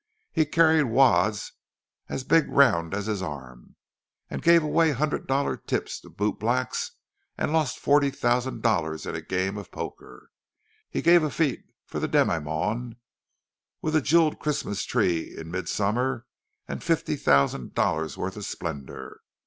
He carried wads as big round as his arm, and gave away hundred dollar tips to bootblacks, and lost forty thousand dollars in a game of poker. He gave a fête to the demi monde, with a jewelled Christmas tree in midsummer, and fifty thousand dollars' worth of splendour.